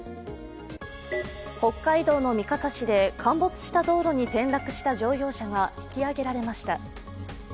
北海道の三笠市で陥没した道路に転落した乗用車が引き上げられました。